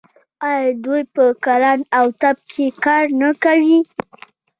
آیا دوی په کرنه او طب کې کار نه کوي؟